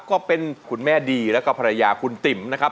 ก็เป็นคุณแม่ดีแล้วก็ภรรยาคุณติ๋มนะครับ